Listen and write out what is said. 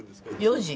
４時。